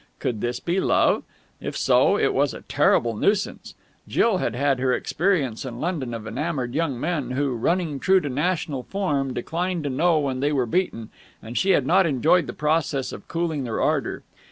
Could this be love? If so, it was a terrible nuisance. Jill had had her experience in London of enamoured young men who, running true to national form, declined to know when they were beaten, and she had not enjoyed the process of cooling their ardour.